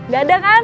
gak ada kan